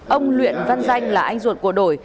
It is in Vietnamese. ông luyện văn danh là anh ruột của đội